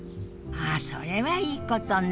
あそれはいいことね。